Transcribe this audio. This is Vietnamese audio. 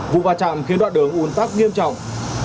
vụ bạch trạm khiến đoạn đường un tắc nghiêm trọng